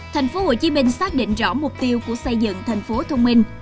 thành phố hồ chí minh xác định rõ mục tiêu của xây dựng thành phố thông minh